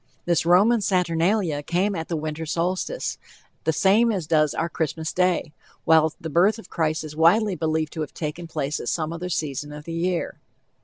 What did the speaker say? This Roman Saturnalia came at the winter solstice, the same as does our Christmas day, while the birth of Christ is widely believed to have taken place at some other season of the year.